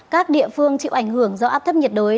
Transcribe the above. các địa phương chịu ảnh hưởng do áp thấp nhiệt đới